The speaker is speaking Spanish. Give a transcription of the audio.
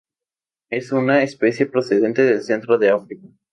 Es una especie procedente del centro de África.